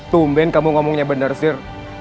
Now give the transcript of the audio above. tumben kamu ngomongnya benar sih